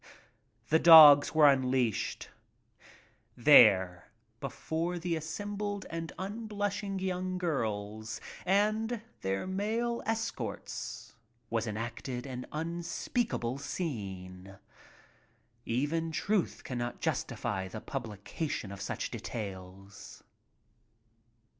The dogs were unleashed. There before the as sembled and unblushing young girls and their male escorts was enacted an unspeakable scene. Even truth cannot justify the publication of such details.